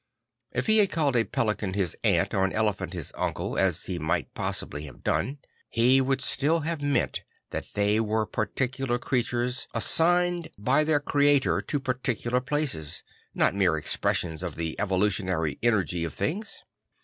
If he had called a pelican his aunt or an elephant his uncle, as he might possibly have done, he would still have meant that they 'were particular creatures assigned by their 100 St. Francis of Assisi Crea tor to particular places; not mere expressions of the evolutionary energy of things.